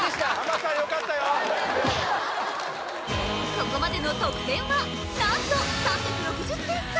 ここまでの得点は何と３６０点差！